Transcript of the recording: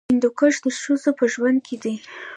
هندوکش د ښځو په ژوند کې دي.